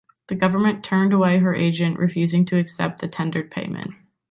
The government turned away her agent, refusing to accept the tendered payment.